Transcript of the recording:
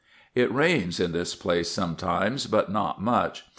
It rains in this place sometimes, but not much.